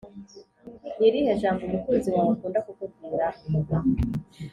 ni irihe jambo umukunzi wawe akunda kukubwira ?